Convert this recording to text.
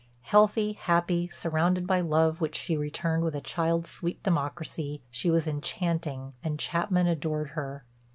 Healthy, happy, surrounded by love which she returned with a child's sweet democracy, she was enchanting and Chapman adored her.